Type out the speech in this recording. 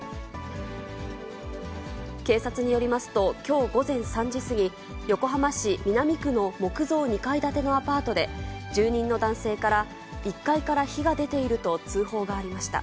警察によりますと、きょう午前３時過ぎ、横浜市南区の木造２階建てのアパートで、住人の男性から１階から火が出ていると通報がありました。